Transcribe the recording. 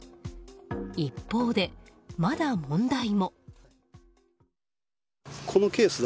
一方で、まだ問題も。